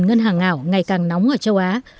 và cơ quan ngân hàng ảo ngày càng nóng ở châu á